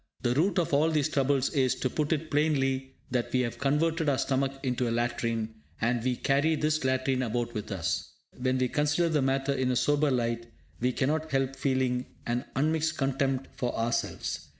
The root of all these troubles is, to put it plainly, that we have converted our stomach into a latrine, and we carry this latrine about with us. When we consider the matter in a sober light, we cannot help feeling an unmixed contempt for ourselves.